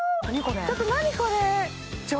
ちょっと何これ！